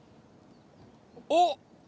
おっ！